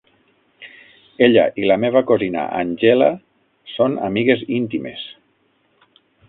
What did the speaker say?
Ella i la meva cosina Angela són amigues íntimes.